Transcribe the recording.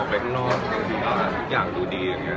จริงก็ผมว่าทุกจะมีปัญหาที่ลายพันธุ์ออกไม่ได้